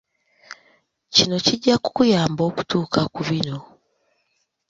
Kino kijja kukuyamba okutuuka ku bino